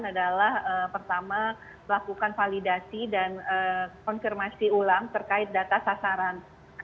adalah pertama melakukan validasi dan konfirmasi ulang terkait data sasaran